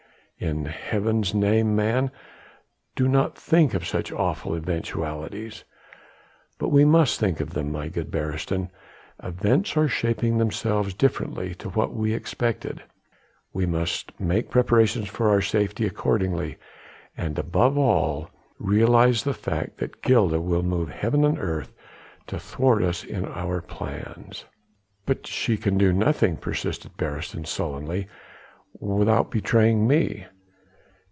"In Heaven's name, man, do not think of such awful eventualities!" "But we must think of them, my good Beresteyn. Events are shaping themselves differently to what we expected. We must make preparations for our safety accordingly, and above all realise the fact that Gilda will move heaven and earth to thwart us in our plans." "But she can do nothing," persisted Beresteyn sullenly, "without betraying me.